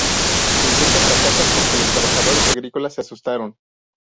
Su intento fracasa porque los trabajadores agrícolas se asustaron.